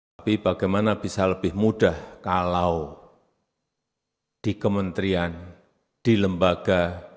tapi bagaimana bisa lebih mudah kalau di kementerian di lembaga